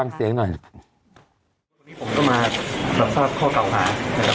ฟังเสียงหน่อยวันนี้ผมก็มารับทราบข้อเก่าหานะครับ